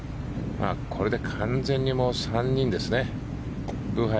これで完全にもう３人ですね。